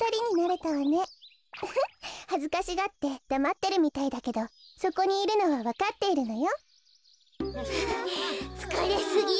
ウフッはずかしがってだまってるみたいだけどそこにいるのはわかっているのよ。はあつかれすぎる。